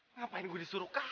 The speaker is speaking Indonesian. ngapain gua disuruh kamu